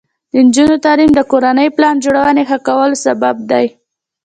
د نجونو تعلیم د کورنۍ پلان جوړونې ښه کولو سبب دی.